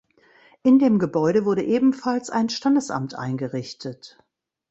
In dem Gebäude wurde ebenfalls ein Standesamt eingerichtet.